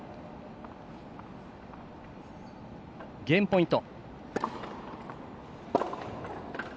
ゲームポイント。